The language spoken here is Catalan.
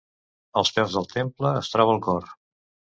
Als peus del temple es troba el cor.